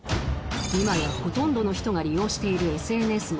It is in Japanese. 今やほとんどの人が利用しているＳＮＳも